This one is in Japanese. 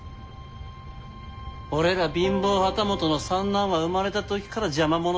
俺ら貧乏旗本の三男は生まれた時から邪魔者だ。